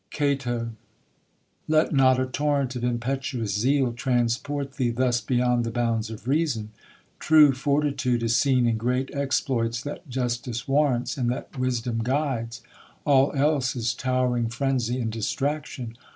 Cato. Let not a torrent of impetuous zeal Transport thee thus beyond the bounds of reason. True fortitude is seen in great exploits That justice warrants, and that wisdom guides. All else is tow'ring frenzy and distraction.